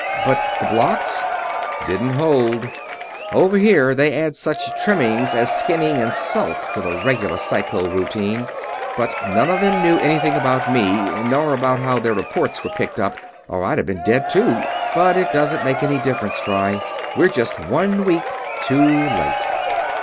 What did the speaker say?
"But the blocks?" "Didn't hold over here they add such trimmings as skinning and salt to the regular psycho routine. But none of them knew anything about me, nor about how their reports were picked up, or I'd have been dead, too. But it doesn't make any difference, Fry we're just one week too late."